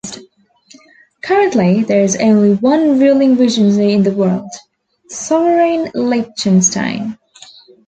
Currently there is only one ruling Regency in the world, sovereign Liechtenstein.